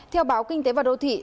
theo báo kinh tế và đầu tiên